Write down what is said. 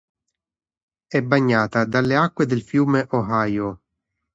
È bagnata dalle acque del fiume Ohio.